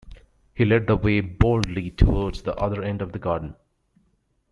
He led the way boldly towards the other end of the garden.